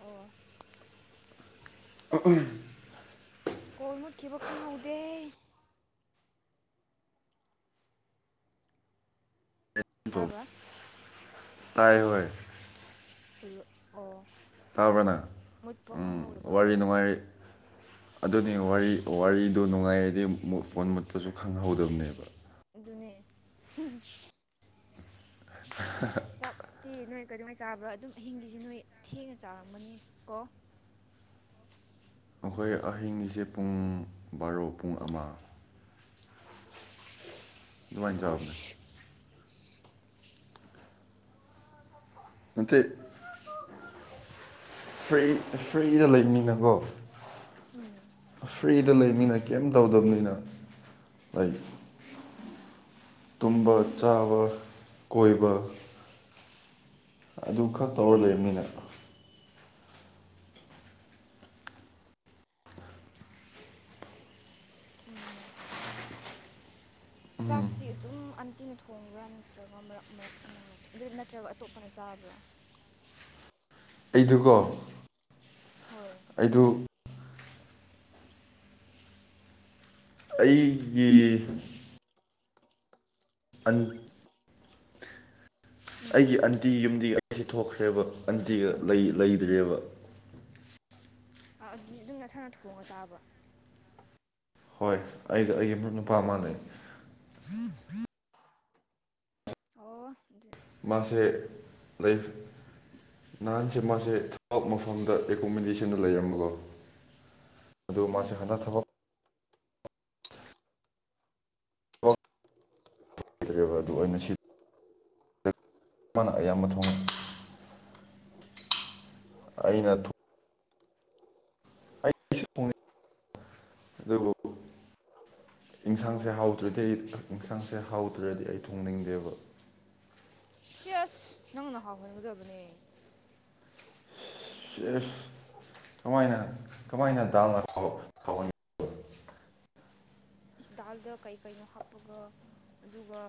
ꯑꯣ ꯑꯥ ꯎꯝ ꯀꯣꯜ ꯃꯨꯠꯈꯤꯕ ꯈꯪꯍꯧꯗꯦꯍꯦ ꯇꯧ ꯇꯥꯕ꯭ꯔꯥ ꯇꯥꯏ ꯍꯣꯏ ꯍꯜꯂꯣ ꯑꯣ ꯇꯥꯕ꯭ꯔ ꯅꯪ ꯃꯨꯠꯄ ꯎꯝ ꯈꯪꯍꯧꯗꯕ ꯋꯥꯔꯤ ꯑꯣꯏ ꯅꯨꯡꯉꯥꯏ ꯑꯗꯨꯅꯤ ꯋꯥꯔꯤ ꯋꯥꯔꯤꯗꯣ ꯅꯨꯡꯉꯥꯏꯔꯗꯤ ꯐꯣꯟ ꯃꯨꯠꯄꯁꯨ ꯈꯪꯍꯧꯗꯕꯅꯦꯕ ꯑꯗꯨꯅꯦ ꯆꯥꯛꯇꯤ ꯅꯣꯏ ꯀꯗꯧ ꯉꯩ ꯆꯥꯕ꯭ꯔꯥ ꯑꯗꯨꯝ ꯑꯍꯤꯡꯒꯤꯁꯤ ꯅꯣꯏ ꯊꯦꯡꯅ ꯆꯥꯔꯝꯒꯅꯤ ꯀꯣ ꯑꯩꯈꯣꯏ ꯑꯍꯤꯡꯁꯦ ꯄꯨꯡ ꯕꯥꯔꯣ ꯄꯨꯡ ꯑꯃ ꯑꯗꯨꯃꯥꯏ ꯆꯥꯕꯅꯦ ꯑꯍꯨꯁ ꯅꯠꯇꯦ ꯐ꯭ꯔꯤ ꯐ꯭ꯔꯤꯗ ꯂꯩꯃꯤꯅꯀꯣ ꯎꯝ ꯁꯤꯗ ꯂꯩꯕꯅꯤꯅ ꯀꯩꯝ ꯇꯧꯗꯕꯅꯤꯅ ꯂꯩ ꯇꯨꯝꯕ ꯆꯥꯕ ꯀꯣꯏꯕ ꯑꯗꯨ ꯈꯔ ꯇꯧꯔ ꯂꯩ ꯃꯤꯅ ꯎꯝ ꯆꯥꯛꯇꯤ ꯑꯗꯨꯝ ꯑꯟꯇꯤꯅ ꯊꯣꯡꯕ꯭ꯔꯥ ꯅꯠꯇ꯭ꯔꯒ ꯃꯔꯛ ꯃꯔꯛ ꯅꯪꯅ ꯅꯠꯇ꯭ꯔꯒ ꯑꯇꯣꯞꯄꯅ ꯆꯥꯕ꯭ꯔꯥ [inaudible] ꯑꯩꯗꯨꯒꯣ ꯍꯣꯏ ꯑꯩꯗꯨ ꯑꯩꯒꯤ ꯑꯟ ꯎꯝ ꯑꯩꯒꯤ ꯑꯟꯇꯤ ꯌꯨꯝꯗꯤ ꯁꯤ ꯊꯣꯛꯈ꯭ꯔꯦꯕ ꯑꯟꯇꯤꯒ ꯂꯩꯗ꯭ꯔꯦꯕ ꯑꯗꯨꯗꯤ ꯑꯗꯨꯝ ꯅꯁꯥꯅ ꯊꯣꯡꯉꯒ ꯆꯥꯕ ꯍꯣꯏ ꯑꯩ ꯑꯩꯒꯤ ꯃꯔꯨꯞ ꯅꯨꯄꯥ ꯃꯥꯥꯟꯅꯩ ꯑꯣ ꯃꯥꯁꯦ ꯂꯩ ꯅꯍꯥꯟꯁꯦ ꯃꯥꯁꯦ ꯊꯕꯛ ꯃꯐꯝꯗ ꯑꯦꯀꯣꯃꯤꯗꯦꯁꯟꯅ ꯂꯩꯔꯝꯃꯒꯣ ꯑꯗꯨ ꯃꯥꯁꯦ ꯎꯝ ꯍꯟꯗꯛ ꯊꯕꯛ ꯑꯗꯨ ꯑꯩꯅ ꯁꯤ ꯃꯥꯅ ꯑꯌꯥꯝꯕ ꯊꯣꯡꯉꯦ ꯑꯩꯅ ꯑꯩꯁꯨ ꯊꯣꯡꯉꯦ ꯑꯗꯨꯕꯨ ꯑꯦꯟꯁꯥꯡꯁꯦ ꯑꯣ ꯍꯥꯎꯗ꯭ꯔꯗꯤ ꯑꯩ ꯌꯦꯟꯁꯥꯡꯁꯦ ꯍꯥꯎꯗ꯭ꯔꯗꯤ ꯑꯩ ꯊꯣꯡꯅꯤꯡꯗꯦꯕ [inaudible] ꯁꯤ ꯑꯁ ꯅꯪꯅ ꯍꯥꯎꯍꯟꯒꯗꯕꯅꯦ ꯁꯤ ꯑꯁ ꯀꯃꯥꯏꯅ ꯀꯃꯥꯏꯅ ꯗꯥꯜꯅ ꯍꯥꯎꯍꯟ ꯏꯁ ꯗꯥꯜꯗ ꯀꯩ ꯀꯩꯅꯣ ꯍꯥꯞꯄꯒ ꯑꯗꯨꯒ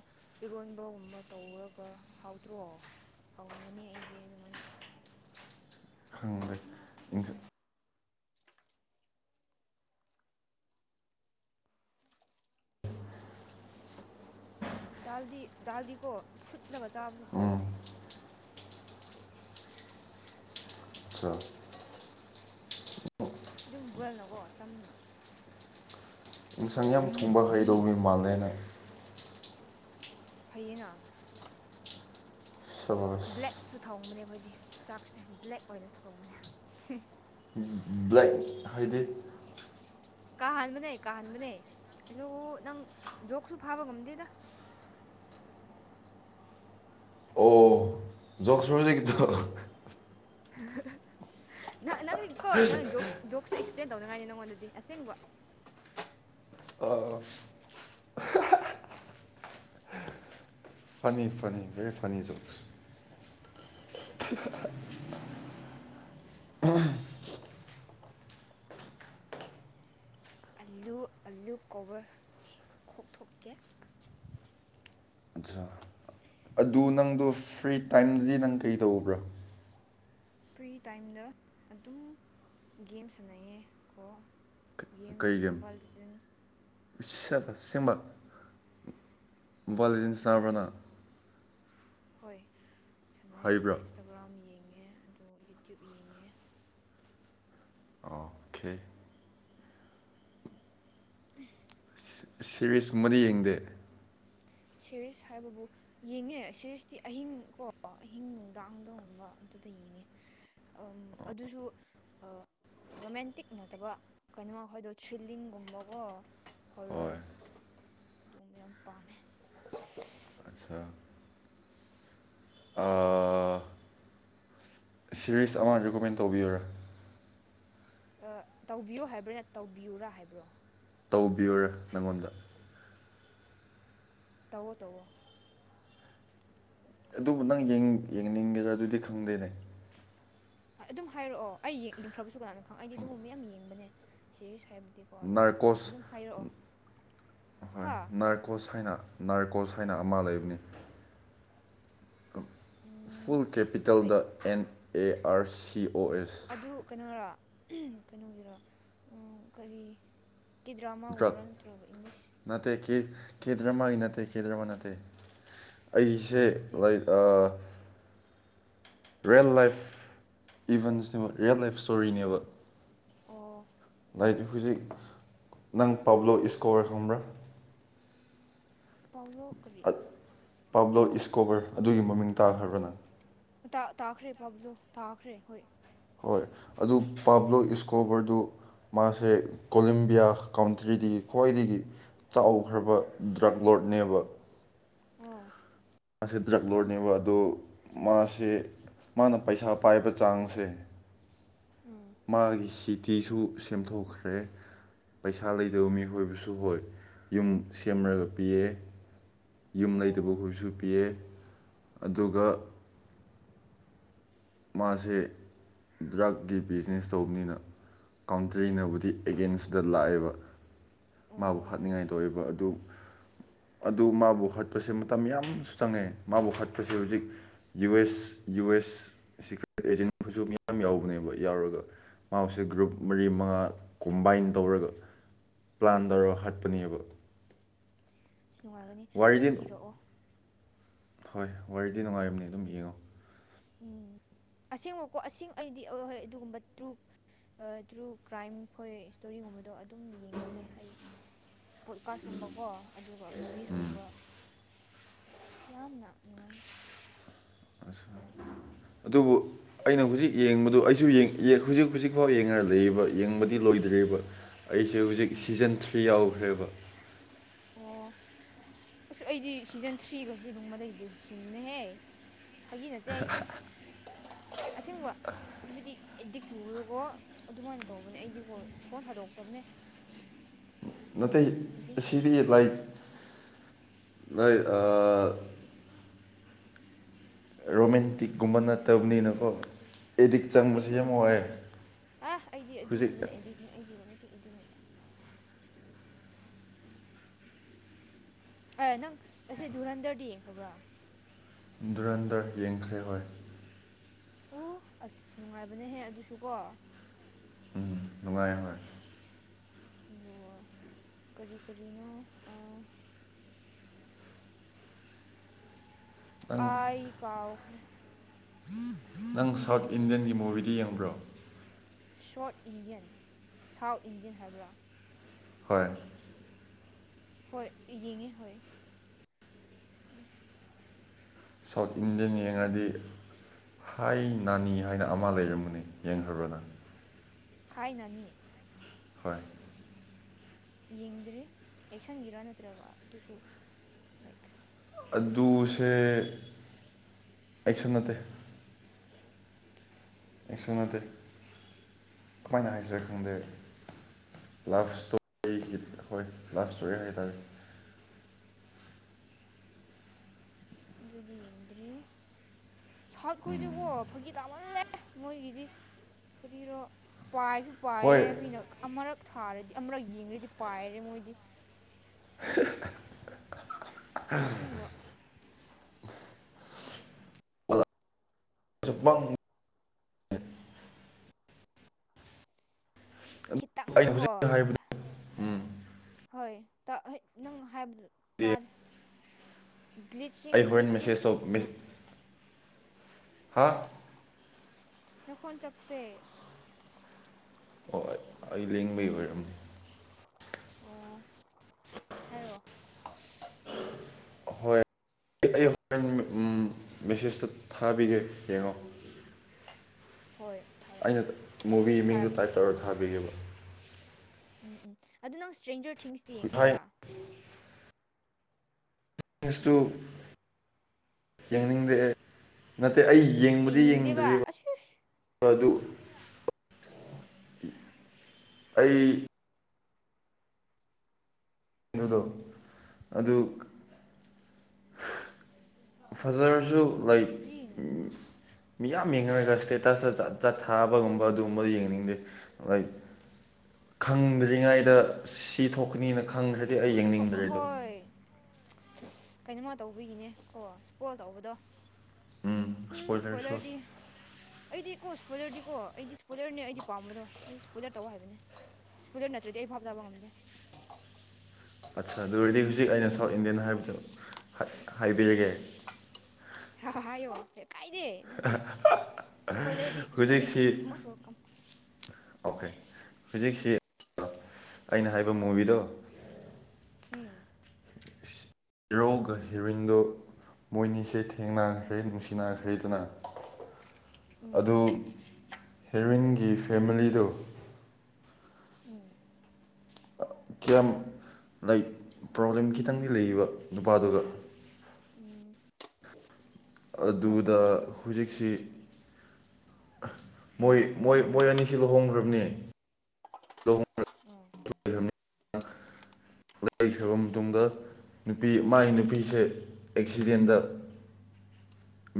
ꯏꯔꯣꯟꯕꯒꯨꯝꯕ ꯇꯧꯔꯒ ꯍꯥꯎꯇ꯭ꯔꯣ ꯍꯥꯎꯍꯟꯒꯅꯤ ꯑꯩꯗꯤ ꯑꯗꯨꯃꯥꯏꯅ ꯈꯪꯗꯦ ꯃꯥꯁꯨꯁꯦ ꯗꯥꯜꯗꯤ ꯗꯥꯜꯗꯤꯀꯣ ꯐꯨꯠꯂꯒ ꯆꯥꯕꯁꯨ ꯎꯝ ꯍꯥꯎꯕꯅꯦ ꯆꯥ ꯑꯗꯨꯝ ꯕꯣꯏꯅꯀꯣ ꯆꯝꯅ ꯏꯟꯁꯥꯡ ꯌꯥꯝ ꯊꯣꯡꯕ ꯍꯩꯗꯧ ꯃꯥꯜꯂꯦ ꯅꯪ ꯍꯩꯌꯦꯡꯅ ꯁꯕꯥꯁ ꯕ꯭ꯂꯦꯛꯁꯨ ꯊꯣꯡꯕꯅꯦ ꯑꯩꯈꯣꯏꯗꯤ ꯆꯥꯛꯁꯦ ꯕ꯭ꯂꯦꯛ ꯑꯣꯏꯅ ꯊꯣꯡꯕꯅꯦ ꯕ꯭ꯂꯦꯛ ꯍꯥꯏꯗꯤ ꯀꯍꯥꯟꯕꯅꯦ ꯀꯍꯥꯟꯕꯅꯦ ꯍꯜꯂꯣꯑꯣ ꯅꯪ ꯖꯣꯛꯈꯨꯜ ꯐꯥꯕ ꯉꯝꯗꯦꯗ [unintelligible] [unintelligible] ꯅꯪꯗꯤꯀꯣ ꯖꯣꯛ ꯗꯣꯒ ꯁꯨ ꯑꯦ ꯄ꯭ꯂꯦꯟ ꯇꯧꯅꯉꯥꯏꯅꯤ ꯅꯪꯉꯣꯟꯗꯗꯤ ꯑꯁꯦꯡꯕ ꯐꯅꯤ ꯐꯅꯤ ꯕꯦꯔꯤ ꯐꯅꯤ ꯖꯣꯛ [unintelligible] ꯑꯂꯨ ꯑꯂꯨ ꯀꯣꯕꯔ ꯈꯣꯛꯊꯣꯛꯀꯦ ꯑꯠꯆꯥ ꯑꯗꯨ ꯅꯪꯗꯣ ꯐ꯭ꯔꯤ ꯇꯥꯏꯝꯗꯤ ꯅꯪ ꯀꯩꯗꯧꯕ꯭ꯔꯥ ꯐ꯭ꯔꯤ ꯇꯥꯏꯝꯗ ꯑꯗꯨꯝ ꯒꯦꯝ ꯁꯥꯟꯅꯩꯑꯌꯦ ꯀꯣ ꯒꯦꯝ ꯃꯣꯕꯥꯜ ꯂꯤꯖꯦꯟ [unintelligible] ꯑꯁꯦꯡ ꯕꯥ ꯃꯣꯕꯥꯜ ꯂꯤꯖꯦꯟ ꯁꯥꯟꯅꯕꯔꯥ ꯅꯥ ꯍꯣꯏ ꯁꯥꯟꯅꯩ ꯍꯩꯕ꯭ꯔꯥ ꯑꯗꯨꯒ ꯏꯟꯁꯇꯥꯒ꯭ꯔꯥꯝ ꯌꯦꯡꯉꯦ ꯌꯦꯡꯑꯦ ꯑꯗꯣ ꯌꯨ ꯇꯨꯕ ꯌꯦꯡꯑꯦ ꯑꯣꯀꯦ ꯁꯦꯔꯤꯁ ꯀꯨꯝꯕꯗꯤ ꯌꯦꯡꯗꯦ ꯁꯦꯔꯤꯁ ꯍꯥꯏꯕꯕꯨ ꯌꯦꯡꯉꯦ ꯁꯦꯔꯤꯁꯇꯤ ꯑꯍꯤꯡ ꯀꯣ ꯑꯍꯤꯡ ꯅꯨꯡꯗꯥꯡꯗꯒꯨꯝꯕ ꯗꯨꯗꯥ ꯌꯦꯡꯉꯦ ꯑꯗꯨꯁꯨ ꯑꯥ ꯔꯣꯃꯦꯟꯇꯤꯛ ꯅꯠꯇꯕ ꯀꯩꯅꯣ ꯑꯈꯣꯏꯗꯣ ꯊ꯭ꯔꯤꯜꯂꯤꯡꯒꯨꯝꯕꯀꯣ ꯍꯣꯏ ꯍꯣꯔꯔ ꯑꯗꯨꯒꯨꯝꯕ ꯌꯥꯝ ꯄꯥꯝꯃꯦ [unintelligible] ꯑꯠꯆꯥ ꯁꯦꯔꯤꯁ ꯑꯃ ꯔꯤꯀꯣꯃꯦꯟ ꯇꯧꯕꯤꯌꯨꯔꯥ ꯑꯥ ꯇꯧꯕꯤꯌꯣ ꯍꯥꯏꯕꯩꯔꯥ ꯇꯧꯕꯤꯌꯨꯔꯥ ꯍꯥꯏꯕ꯭ꯔꯣ ꯇꯧꯕꯤꯌꯨꯔꯥ ꯅꯥꯉꯣꯟꯗ ꯇꯧꯋꯣ ꯇꯧꯋꯣ ꯑꯗꯨꯕꯨ ꯅꯪ ꯌꯦꯡꯅꯤꯡ ꯌꯦꯡꯅꯤꯡꯒꯦꯔꯥ ꯗꯨꯗꯤ ꯈꯪꯗꯦꯅꯦ ꯑꯗꯨꯝ ꯍꯥꯏꯔꯛꯑꯣ ꯑꯩ ꯌꯦꯡꯈ꯭ꯔꯕꯁꯨ ꯀꯅꯥꯅꯣ ꯈꯪ ꯑꯩꯗꯤ ꯑꯗꯨꯒꯨꯝꯕ ꯌꯥꯝ ꯌꯦꯡꯕꯅꯦ ꯁꯤꯔꯤꯁ ꯍꯥꯏꯕ ꯗꯤꯀꯣ ꯑꯗꯨꯝ ꯅꯥꯔꯀꯣꯁ ꯑꯗꯨꯝ ꯍꯥꯏꯔꯛꯑꯣ ꯍꯣꯏ ꯍꯥ ꯅꯥꯔꯀꯣꯁ ꯍꯥꯏꯅ ꯅꯥꯔꯀꯣꯁ ꯍꯥꯏꯅ ꯑꯃ ꯂꯩꯕꯅꯤ ꯐꯨꯜ ꯂꯥꯏꯛ ꯀꯦꯄꯤꯇꯦꯜꯗ N A R C O ꯑꯦꯁ ꯑꯗꯨ ꯀꯩꯅꯣꯔꯣ ꯀꯩꯅꯣꯒꯤꯔ ꯀꯔꯤ ꯀꯤ ꯗ꯭ꯔꯛ ꯗ꯭ꯔꯃꯥꯒꯨꯝꯕ꯭ꯔꯥ ꯅꯠꯇ꯭ꯔꯒ ꯏꯪꯂꯤꯁ ꯅꯠꯇꯦ ꯀꯦ ꯗꯔꯃꯥꯒꯤ ꯅꯠꯇꯦ ꯀꯦ ꯗꯔꯃꯥ ꯅꯠꯇꯦ ꯑꯩꯁꯦ ꯑꯗꯨꯗꯤ ꯂꯥꯏꯛ ꯑꯥ ꯔꯤꯌꯦꯜ ꯂꯥꯏꯐ ꯏꯚꯦꯟꯁꯅꯦꯕ ꯔꯤꯌꯦꯜ ꯂꯥꯏꯐ ꯏꯁꯇꯣꯔꯤꯅꯦꯕ ꯑꯣ ꯂꯥꯛ ꯍꯧꯖꯤꯛ ꯅꯪ ꯄꯕ꯭ꯂꯣ ꯁꯀꯣꯔ ꯈꯪꯕ꯭ꯔꯥ ꯄꯥꯎꯂꯣ ꯀꯥꯔꯤ ꯑ- ꯄꯥꯕ꯭ꯂꯣ ꯏꯁꯀꯣꯕꯔ ꯑꯗꯨꯒꯤ ꯃꯃꯤꯡ ꯇꯥꯈ꯭ꯔꯕꯔꯥ ꯅꯪ ꯇꯥ ꯇꯥꯈꯔꯦ ꯄꯥꯕꯂꯣ ꯇꯥꯈꯔꯦ ꯍꯣꯏ ꯍꯣꯏ ꯑꯗꯨ ꯄꯥꯕ꯭ꯂꯣ ꯏꯁꯀꯣꯕꯔꯗꯨ ꯃꯥꯁꯦ ꯀꯣꯂꯝꯕꯤꯌꯥ ꯀꯥꯎꯟꯇ꯭ꯔꯤꯗꯒꯤ ꯈ꯭ꯋꯥꯏꯗꯒꯤ ꯆꯥꯎꯈ꯭ꯔꯕ ꯗ꯭ꯔꯛ ꯂꯣꯠꯅꯦꯕ ꯑꯣ ꯃꯥꯁꯦ ꯗ꯭ꯔꯛ ꯂꯣꯔꯅꯦꯕ ꯑꯗꯨ ꯃꯥꯁꯦ ꯃꯥꯅ ꯄꯩꯁꯥ ꯄꯥꯏꯕ ꯆꯥꯡꯁꯦ ꯎꯝ ꯐꯤꯁꯨ ꯁꯦꯝꯗꯣꯛꯈ꯭ꯔꯦ ꯄꯩꯁꯥ ꯂꯩꯗꯕ ꯃꯤꯍꯣꯏꯕꯁꯨ ꯍꯣꯏ ꯌꯨꯝ ꯁꯦꯝꯔꯥꯒ ꯄꯤꯌꯦ ꯌꯨꯝ ꯑꯣ ꯂꯩꯘꯕꯈꯣꯏꯁꯨ ꯄꯤꯌꯦ ꯑꯗꯨꯒꯥ ꯃꯥꯖꯦ ꯗ꯭ꯔꯛꯀꯤ ꯕꯤꯖꯤꯅꯦꯁ ꯇꯧꯕꯅꯤꯅꯥ ꯀꯥꯎꯟꯇ꯭ꯔꯤꯅꯕꯨꯗꯤ ꯑꯦꯒꯦꯟꯁꯇ ꯂꯥꯛꯑꯦꯕꯥ ꯃꯥꯕꯨ ꯑꯣ ꯍꯥꯠꯅꯤꯡꯉꯥꯏ ꯗꯥ ꯑꯣꯏꯋꯕꯥ ꯑꯗꯨ ꯑꯗꯨ ꯃꯥꯕꯨ ꯍꯥꯠꯄꯁꯦ ꯃꯇꯝ ꯌꯥꯝꯅꯁꯨ ꯆꯪꯉꯦ ꯃꯥꯕꯨ ꯍꯥꯠꯄꯁꯦ ꯍꯧꯖꯤꯛ ꯌꯨ ꯑꯦꯁ ꯢꯌꯨ ꯑꯦꯁ ꯁꯤꯀ꯭ꯔꯦꯠ ꯑꯦꯖꯦꯟꯁꯨ ꯃꯤꯌꯥꯝ ꯌꯥꯎꯕꯅꯦꯕꯥ ꯌꯥꯎꯔꯒꯥ ꯃꯥꯁꯦ ꯒ꯭ꯔꯨꯨꯨꯨꯞ ꯃꯔꯤ ꯃꯉꯥ ꯀꯨꯝꯕꯥꯏꯠ ꯄ ꯎꯝ ꯇ ꯍꯥ [inaudible] ꯁꯤ ꯅꯨꯡꯉꯥꯏꯒꯅꯤ ꯍꯣꯔꯦꯟ ꯏꯔꯛꯑꯣ ꯍꯣꯏ ꯋꯥꯔꯤꯗꯤ ꯅꯨꯡꯉꯥꯏꯕꯅꯤ ꯑꯗꯨꯝ ꯌꯦꯡꯉꯣ ꯎꯝ ꯑꯁꯦꯡꯕꯀꯣ ꯑꯁꯤꯡ ꯑꯩꯗꯤ ꯑꯩꯍꯣꯏ ꯑꯗꯨꯒꯨꯝꯕ ꯇ꯭ꯔꯨꯞ ꯑꯊ꯭ꯔꯨ ꯀ꯭ꯔꯥꯏꯝ ꯈꯣꯏ ꯏꯁꯇꯣꯔꯤꯒꯨꯝꯕꯗꯣ ꯑꯗꯨꯝ ꯌꯦꯡꯒꯜꯂꯦ ꯑꯩ ꯄꯣꯠꯀꯥꯁꯀꯨꯝꯕꯀꯣ ꯑꯗꯨꯒ ꯃꯨꯚꯤꯁꯒꯨꯝꯕ ꯌꯥꯝꯅꯥ ꯅꯨꯡꯉꯥꯏꯌꯦ [inaudible] ꯑꯩꯅ ꯍꯧꯖꯤꯛ ꯌꯦꯡꯕꯗꯨ ꯑꯩꯖꯨ ꯌꯦꯡꯍꯧꯖꯤꯛ ꯍꯧꯖꯤꯛꯐꯥꯎ ꯌꯦꯡꯉꯔꯤꯕꯥ ꯌꯦꯡꯕꯗꯤ ꯂꯣꯏꯗ꯭ꯔꯤꯕꯥ ꯑꯩꯁꯦ ꯍꯧꯖꯤꯛ ꯎꯝ ꯁꯤꯖꯟ ꯊ꯭ꯔꯤ ꯌꯥꯎꯈ꯭ꯔꯦꯕꯥ ꯑꯣ ꯑꯁ ꯑꯩꯗꯤ ꯁꯤꯖꯟ ꯊ꯭ꯔꯤꯒꯁꯤ ꯗꯨꯝꯃꯗꯩ ꯂꯣꯏ ꯁꯤꯟꯕꯅꯦꯍꯦ ꯐꯥꯒꯤ ꯅꯠꯇꯦ ꯑꯩꯖꯦ ꯑꯁꯦꯡꯕꯥ ꯍꯥꯏꯕꯗꯤ ꯑꯦꯗꯤꯛ ꯆꯨꯔꯥꯀꯣ ꯑꯗꯨꯃꯥꯏꯅꯥ ꯇꯧꯕꯅꯦ ꯑꯩꯗꯤꯀꯣ ꯐꯣꯟ ꯊꯥꯗꯣꯛꯇꯕꯅꯦ ꯑꯦꯗꯤꯛ ꯆꯨꯔꯗꯤ [inaudible] [inaudible] ꯔꯣꯃꯦꯟꯇꯤꯛꯀꯨꯝꯕꯥ ꯅꯠꯇꯕꯅꯤꯅꯥꯀꯣ ꯑꯥ ꯑꯩꯁꯨ ꯔꯣꯃꯦꯟꯇꯤꯛ ꯄꯥꯝꯃꯤ ꯑꯥ ꯑꯩꯗꯤ ꯍꯧꯖꯤꯛ ꯑꯗꯨꯒꯨꯝꯕꯗꯤ ꯑꯦꯗꯤꯛꯅꯤ ꯑꯩꯗꯤ ꯔꯣꯃꯦꯟ ꯏꯗꯤꯛ ꯅꯠꯇꯦ ꯇꯤꯛ ꯑꯥ ꯅꯪ ꯑꯁꯤ ꯙꯨꯔꯥꯟꯗꯔꯗꯤ ꯌꯦꯡꯈ꯭ꯔꯥꯕꯔꯥ ꯙꯨꯔꯥꯟꯗꯔ ꯌꯦꯡꯈ꯭ꯔꯦ ꯍꯣꯏ ꯎ ꯑꯥꯁ ꯅꯨꯡꯉꯥꯏꯕꯅꯦꯍꯦ ꯑꯗꯨꯁꯨ ꯀꯣ ꯎꯝ ꯅꯨꯡꯉꯥꯏ ꯍꯣꯏ [inaudible] ꯑꯥ ꯅꯪ ꯑꯩ ꯀꯥꯎꯥꯈꯔꯦ ꯅꯪ ꯁꯥꯎꯠ ꯏꯟꯘꯤꯌꯥꯟꯒꯤ ꯃꯨꯚꯤꯘꯨ ꯌꯦꯡꯕꯔꯣ ꯁꯣꯔꯠ ꯏꯟꯗꯤꯌꯥꯟ ꯁꯥꯎꯠ ꯏꯟꯗꯤꯌꯥꯟ ꯍꯥꯏꯕ꯭ꯔꯥ ꯍꯣꯌ ꯍꯣꯌ ꯌꯦꯡꯉꯦ ꯍꯣꯏ [inaudible] ꯁꯥꯎꯠ ꯌꯦꯡꯉꯦ ꯏꯟꯗꯤꯌꯥꯟ ꯌꯦꯡꯉꯥꯗꯤ ꯍꯥꯏ ꯅꯥꯅꯤ ꯍꯥꯏꯅꯥ ꯑꯃꯥ ꯂꯩꯔꯝꯕꯅꯦ ꯌꯦꯡꯈ꯭ꯔꯥꯕꯔꯥ ꯅꯪ ꯍꯥꯌ ꯅꯥꯅꯤ ꯍꯣꯌ ꯌꯦꯡꯗ꯭ꯔꯤ ꯌꯩꯁꯤꯟꯒꯤꯔꯥ ꯅꯠꯇ꯭ꯔꯒꯥ ꯑꯗꯨꯁꯨ ꯂꯥꯏꯛ ꯑꯥꯗꯨꯁꯦ ꯀꯩꯁꯨ ꯅꯠꯇꯦ ꯑꯩꯁꯨ ꯅꯠꯇꯦ ꯀꯃꯥꯏꯅ ꯍꯥꯏꯁꯤꯔꯥ ꯈꯪꯗꯦ ꯑꯗꯨꯝ ꯂꯞ ꯏꯁꯇꯣꯔꯤꯒꯤ ꯍꯣꯌ ꯂꯞ ꯏꯁꯇꯣꯔꯤ ꯍꯥꯏ ꯇꯥꯔꯦ ꯑꯗꯨꯗꯤ ꯌꯦꯡꯗ꯭ꯔꯤ ꯁꯥꯔꯈꯣꯏꯁꯨꯀꯣ ꯐꯥꯒꯤ ꯇꯥꯃꯜꯂꯦ ꯑꯦ ꯃꯣꯏꯒꯤꯗꯤ ꯀꯔꯤꯔꯣ ꯄꯥꯏꯁꯨ ꯍꯣꯏ ꯄꯥꯏꯌꯦ ꯃꯤꯅ ꯑꯃꯨꯔꯛ ꯊꯥꯔꯗꯤ ꯑꯃꯛ ꯌꯦꯡꯈꯗꯤ ꯄꯥꯏꯔꯦ ꯃꯣꯏꯗꯤ ꯑꯁꯦꯡꯕ [unintelligible] ꯁꯨꯕꯥ ꯑꯩꯅ ꯈꯤꯇꯪꯀꯣ ꯍꯧꯖꯤꯛ ꯍꯥꯏꯕꯗꯣ ꯎꯝ ꯍꯣꯏ ꯅꯪ ꯍꯥꯏꯕ ꯇꯗꯦ ꯒ꯭ꯂꯤꯆꯡ ꯑꯩ ꯍꯣꯔꯦꯟ ꯒ꯭ꯂꯤꯆꯤꯡ ꯃꯦꯁꯦꯖ ꯇꯧ ꯅ ꯃꯦꯁ ꯍꯥ ꯅꯈꯣꯟ ꯆꯞꯄꯦ ꯍꯣꯏ ꯑꯩ ꯂꯦꯡꯕꯒꯤ ꯑꯣꯏꯔꯝꯃꯦ ꯑꯣ ꯍꯥꯏꯔꯛꯑꯣ ꯍꯣꯏ ꯑꯩ ꯍꯣꯔꯦꯟ ꯃꯦꯁꯦꯖꯇ ꯊꯥꯕꯤꯒꯦ ꯌꯦꯡꯉꯣ ꯍꯣꯏ ꯊꯥꯔꯛꯑꯣ ꯑꯩꯅ ꯑꯩꯁꯨ ꯃꯨꯚꯤꯒꯤ ꯃꯤꯡꯗꯨ ꯊꯥꯔꯛꯀꯦ ꯇꯥꯏꯞ ꯇꯧꯔꯒ ꯊꯥꯕꯤꯈꯤꯕ ꯎꯝ ꯎꯝ ꯑꯗꯨ ꯅꯪ ꯏꯁꯇ꯭ꯔꯦꯟꯖꯔ ꯊꯤꯡꯁꯇꯤ ꯍꯥꯏ ꯌꯦꯡꯈ꯭ꯔꯕ꯭ꯔꯥ ꯃꯤꯁꯇꯨ ꯌꯦꯡꯅꯤꯡꯗꯦꯑꯦ ꯅꯠꯇꯦ ꯑꯩ ꯌꯦꯡꯕꯨꯗꯤ ꯌꯦꯡꯅꯤꯡꯗꯦꯕ ꯌꯦꯡꯗ꯭ꯔꯤꯕ ꯑꯁ ꯑꯗꯨ ꯑꯩ ꯀꯩꯅꯣꯗꯣ ꯑꯗꯨ ꯐꯖꯕꯁꯨ ꯍꯣꯏ ꯂꯩ ꯔꯤꯡꯉꯦ ꯃꯤꯌꯥꯝ ꯌꯦꯡꯅꯔꯒ ꯏꯁꯇꯦꯇꯁꯇ ꯆꯠꯊꯥꯕꯒꯨꯝꯕ ꯑꯗꯨꯒꯨꯝꯕ ꯌꯦꯡꯅꯤꯡꯗꯦ ꯑꯩ ꯈꯪꯗ꯭ꯔꯤꯉꯩꯗ ꯁꯤ ꯊꯣꯛꯀꯅꯤꯅ ꯈ ꯐꯪꯈ꯭ꯔꯗꯤ ꯑꯩ ꯌꯦꯡꯅꯤꯡꯗꯔꯤꯗꯣ ꯀꯩꯅꯣꯝꯃ ꯇꯧꯕꯤꯒꯤꯅꯦ ꯀꯣ ꯁꯄꯣꯏꯜ ꯇꯧꯕꯗꯣ ꯎꯝ ꯏꯁꯄꯣꯏꯂꯔꯗꯤ ꯑꯩꯗꯤ ꯀꯣ ꯏꯁꯄꯣꯏꯂꯔꯗꯤꯀꯣ ꯑꯩꯗꯤ ꯏꯁꯄꯣꯏꯂꯔꯅꯦ ꯑꯩꯗꯤ ꯄꯥꯝꯕꯗꯣ ꯑꯩꯗꯤ ꯏꯁꯄꯣꯏꯂꯔ ꯇꯧ ꯍꯥꯏꯕꯅꯦ ꯁ꯭ꯄꯣꯏꯂꯔ ꯅꯠꯇ꯭ꯔꯗꯤ ꯑꯩ ꯚꯥꯕ ꯇꯥꯕ ꯉꯝꯗꯦ [inaudible] ꯑꯠꯁ ꯑꯗꯨ ꯑꯣꯏꯔꯗꯤ ꯍꯧꯖꯤꯛ ꯑꯩꯅ ꯁꯥꯎꯠ ꯏꯟꯗꯤꯌꯟ ꯍꯥꯏꯕꯗꯣ ꯍꯥꯏꯕꯤꯔꯒꯦ ꯍꯥ ꯍꯥ ꯍꯥꯏꯌꯣ ꯀꯥꯏꯗꯦ ꯑꯗꯨꯗꯤ ꯏꯁꯄꯣꯏꯂꯔꯗꯤ ꯏꯁꯄꯣꯏꯂꯔꯗꯤ ꯍꯧꯖꯤꯛꯁꯤ ꯃꯣꯁ ꯋꯦꯜꯀꯝ ꯑꯣꯀꯦ ꯁꯤ ꯑꯩꯅ ꯍꯥꯏꯕ ꯃꯨꯚꯤꯗꯣ ꯎꯝ ꯍꯦꯔꯣꯒ ꯍꯦꯔꯣꯏꯟꯗꯣ ꯃꯣꯏꯅꯤꯁꯦ ꯊꯦꯡꯅꯈ꯭ꯔꯦ ꯅꯨꯡꯁꯤꯅꯈ꯭ꯔꯦꯗꯅ ꯎꯝ ꯑꯗꯨ ꯍꯦꯔꯣꯏꯟꯒꯤ ꯐꯦꯃꯤꯂꯤꯗꯨ ꯎꯝ ꯀꯌꯥꯝ ꯂꯩ ꯄ꯭ꯔꯣꯕ꯭ꯂꯦꯝ ꯈꯤꯇꯪꯗꯤ ꯂꯩꯕ ꯅꯨꯄꯥꯗꯨꯒ ꯎꯝ ꯑꯁ ꯑꯗꯨꯗ ꯇꯧꯒꯟꯕꯅꯤꯅꯦ ꯑꯗꯨ ꯍꯧꯖꯤꯛꯁꯤ ꯁꯥꯎꯠꯇꯤ ꯃꯣꯏ ꯃꯣꯏ ꯑꯅꯤꯁꯤ ꯂꯨꯍꯣꯡꯈ꯭ꯔꯕꯅꯦ ꯑꯣ ꯂꯩꯈ꯭ꯔꯕ ꯃꯇꯨꯡꯗ ꯅꯨꯄꯤ ꯃꯥꯒꯤ ꯅꯨꯄꯤꯁꯦ ꯑꯦꯛꯁꯤꯗꯦꯟꯗ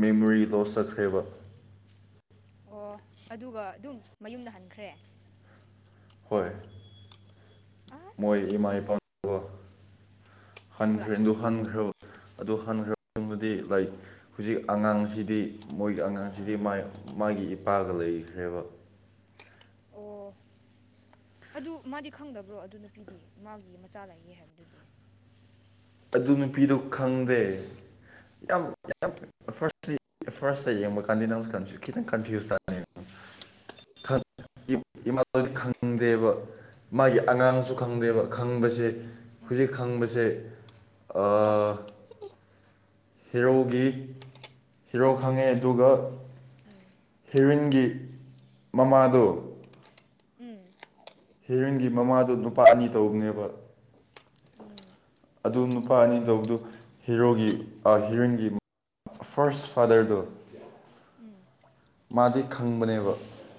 ꯃꯦꯃꯣꯔꯤ ꯂꯣꯁ ꯆꯠꯈ꯭ꯔꯦꯕ ꯑꯣ ꯑꯗꯨꯒ ꯑꯗꯨꯝ ꯃꯌꯨꯝꯗ ꯍꯟꯈ꯭ꯔꯦ ꯍꯣꯏ ꯃꯣꯏ ꯑꯁ ꯏꯃꯥꯏ ꯏꯄꯥ ꯂꯧꯕ ꯍꯟꯈ꯭ꯔꯦꯗꯨ ꯂꯥꯛꯄꯒꯤ ꯍꯟꯈ꯭ꯔꯕ ꯑꯗꯨ ꯍꯟꯈ꯭ꯔꯕꯗꯨꯗꯤ ꯂꯥꯏꯛ ꯍꯧꯖꯤꯛ ꯎꯝ ꯑꯉꯥꯡꯁꯤꯗꯤ ꯃꯣꯏꯒꯤ ꯑꯉꯥꯡꯁꯤꯗꯤ ꯃꯥꯒꯤ ꯏꯄꯥꯒ ꯂꯩꯈ꯭ꯔꯦꯕ ꯑꯣ [inaudible] ꯑꯗꯨ ꯃꯥꯗꯤ ꯈꯪꯗꯕ꯭ꯔꯣ ꯑꯗꯨ ꯅꯨꯄꯤꯗꯤ ꯃꯥꯒꯤ ꯃꯆꯥ ꯂꯥꯛꯌꯦ ꯍꯥꯏꯕꯗꯨꯗꯤ ꯑꯗꯨ ꯅꯨꯄꯤꯗꯣ ꯈꯪꯗꯦ ꯌꯥꯝ ꯌꯥꯝ ꯐꯥꯔ ꯐꯥꯔꯁꯇ ꯌꯦꯡꯕ ꯀꯥꯟꯗꯅ ꯈꯤꯇꯪ ꯀꯟꯐ꯭ꯌꯨꯁ ꯆꯠꯅꯤ ꯏꯃꯥ ꯈꯪꯗꯦꯕ ꯃꯥꯒꯤ ꯑꯉꯥꯡꯁꯨ ꯎꯝ ꯈꯪꯗꯦꯕ ꯈꯪꯕꯁꯦ ꯍꯧꯖꯤꯛ ꯈꯪꯕꯁꯦ ꯃꯄꯥꯥꯇ ꯍꯤꯔꯣꯒꯤ ꯍꯤꯔꯣ ꯈꯪꯉꯦ ꯑꯗꯨꯒ ꯍꯦꯔꯣꯏꯟꯒꯤ ꯃꯃꯥꯗꯨ ꯎꯝ ꯍꯦꯔꯣꯏꯟꯒꯤ ꯃꯃꯥꯗꯨ ꯅꯨꯄꯥ ꯑꯅꯤ ꯇꯧꯕꯅꯦꯕ ꯑꯗꯨ ꯅꯨꯄꯥ ꯑꯅꯤꯗꯧꯕꯗꯨ ꯍꯤꯔꯣꯒꯤ ꯑꯥ ꯍꯤꯔꯣꯏꯟꯒꯤ ꯐꯥꯔ꯭ꯁ ꯐꯥꯗꯔꯗꯨ ꯎꯝ ꯃꯥꯗꯤ ꯈꯪꯕꯅꯦꯕ